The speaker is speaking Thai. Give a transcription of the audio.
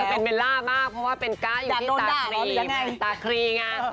เป็นเบลล่ามากเพราะว่าเป็นก๊ะอยู่ที่ตาคลียังไงสตาครีไง